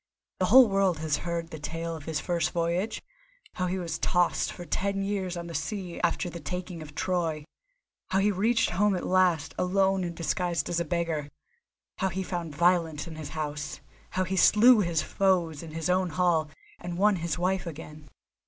The whole world has heard the tale of his first voyage, how he was tossed for ten years on the sea after the taking of Troy, how he reached home at last, alone and disguised as a beggar; how he found violence in his house, how he slew his foes in his own hall, and won his wife again.